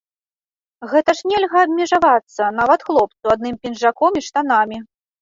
Гэта ж нельга абмежавацца, нават хлопцу, адным пінжаком і штанамі.